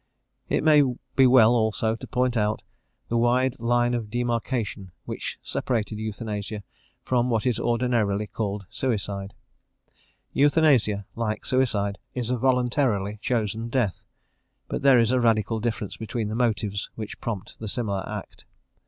It may be well, also, to point out the wide line of demarcation which separated euthanasia from what is ordinarily called suicide. Euthanasia, like suicide, is a voluntarily chosen death, but there is a radical difference between the motives which prompt the similar act.